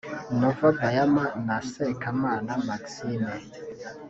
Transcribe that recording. Nova Bayama na Sekamana Maxime